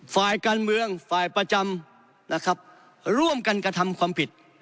ฝ่ายการเมืองฝ่ายประจำนะครับร่วมกันกระทำความผิด